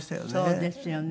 そうですよね。